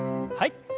はい。